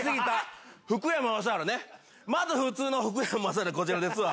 まず普通の福山雅治はこちらですわ。